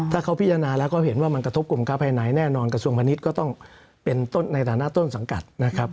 ถ้าเขาพิจารณาแล้วก็เห็นว่ามันกระทบกลุ่มค้าภายในแน่นอนกระทรวงพาณิชย์ก็ต้องเป็นต้นในฐานะต้นสังกัดนะครับ